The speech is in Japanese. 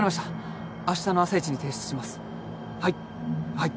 はい。